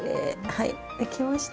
はいできました。